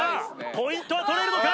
ポイントは取れるのか！？